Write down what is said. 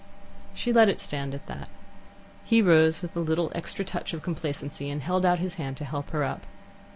She let it stand at that. He rose with a little extra touch of complacency, and held out his hand to help her up.